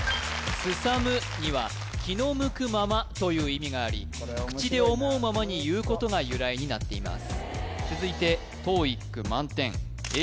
遊むには気の向くままという意味があり口で思うままに言うことが由来になっています